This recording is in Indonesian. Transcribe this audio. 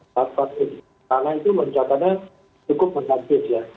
karena itu mencatatnya cukup menghampir ya